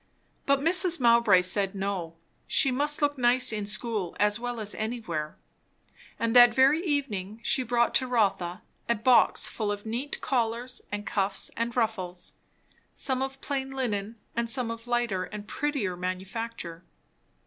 But Mrs. Mowbray said no; she must look nice in school as well as anywhere; and that very evening she brought to Rotha a box full of neat collars and cuffs and ruffles; some of plain linen and some of lighter and prettier manufacture.